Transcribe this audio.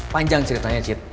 panjang ceritanya cip